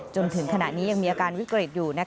จนถึงขณะนี้ยังมีอาการวิกฤตอยู่